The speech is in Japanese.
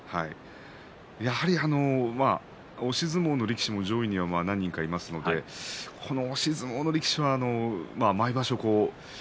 やはり押し相撲の力士も上位には何人かいますのでこの押し相撲の力士は毎場所